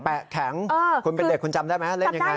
แข็งคุณเป็นเด็กคุณจำได้ไหมเล่นยังไง